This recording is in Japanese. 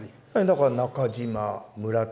だから中島村田修一